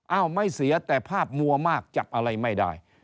ไม่เสียแต่ภาพมัวมากจับอะไรไม่ได้